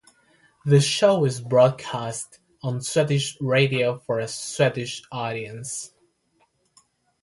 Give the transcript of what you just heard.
The show is broadcast on Swedish radio for a Swedish audience.